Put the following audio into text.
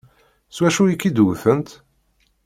S wacu i k-id-wtent?